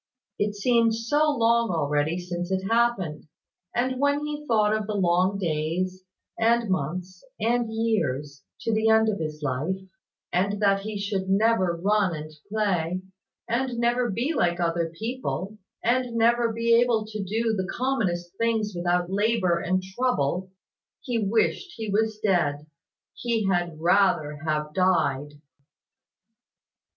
It seemed so long already since it had happened! And when he thought of the long long days, and months, and years, to the end of his life, and that he should never run and play, and never be like other people, and never able to do the commonest things without labour and trouble, he wished he was dead. He had rather have died.